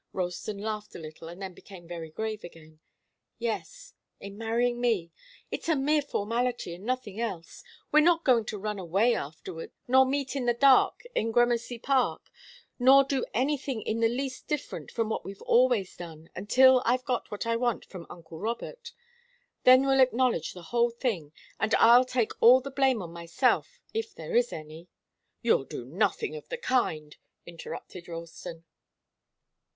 Ralston laughed a little and then became very grave again. "Yes, in marrying me. It's a mere formality, and nothing else. We're not going to run away afterwards, nor meet in the dark in Gramercy Park nor do anything in the least different from what we've always done, until I've got what I want from uncle Robert. Then we'll acknowledge the whole thing, and I'll take all the blame on myself, if there is any " "You'll do nothing of the kind," interrupted Ralston.